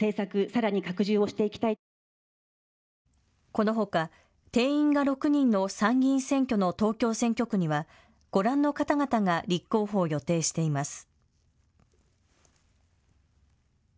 このほか定員が６人の参議院選挙の東京選挙区にはご覧の方々が立候補を予定しています。